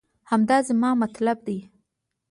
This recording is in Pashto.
همدا زما مطلب دی